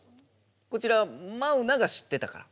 こちらマウナが知ってたから？